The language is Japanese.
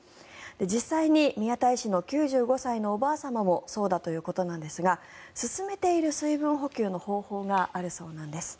実際に、宮田医師の９５歳のおばあ様もそうだということなんですが勧めている水分補給の方法があるそうなんです。